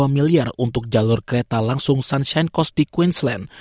satu dua miliar untuk jalur kereta langsung sunshine coast di queensland